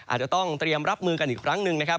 อาจจะต้องเตรียมรับมือกันอีกครั้งหนึ่งนะครับ